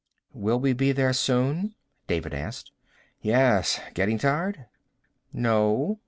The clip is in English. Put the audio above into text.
"Will we be there soon?" David asked. "Yes. Getting tired?" "No."